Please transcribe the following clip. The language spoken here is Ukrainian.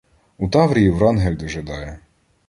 У Таврії Врангель дожидає.